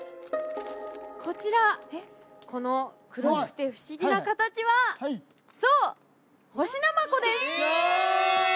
こちらこの黒くて不思議な形はそう干しナマコです